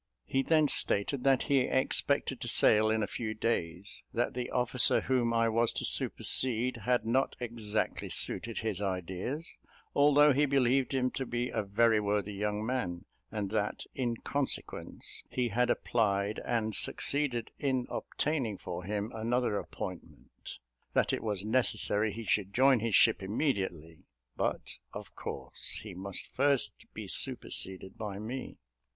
He then stated that he expected to sail in a few days; that the officer whom I was to supersede had not exactly suited his ideas, although he believed him to be a very worthy young man; and that, in consequence, he had applied and succeeded in obtaining for him another appointment; that it was necessary he should join his ship immediately; but, of course, he must first be superseded by me.